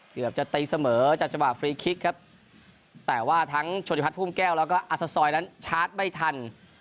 เกือบจะตีเสมอจากจังหวะฟรีคิกครับแต่ว่าทั้งโชธิพัฒภูมิแก้วแล้วก็อัศซอยนั้นชาร์จไม่ทัน